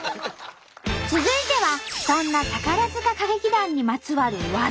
続いてはそんな宝塚歌劇団にまつわる「技」！